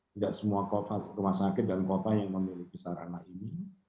tidak semua rumah sakit dan kota yang memiliki sarana ini